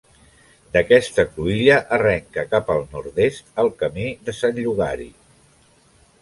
D'aquesta cruïlla arrenca cap al nord-est el Camí de Sant Llogari.